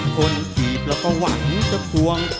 ถีบแล้วก็หวังจะควง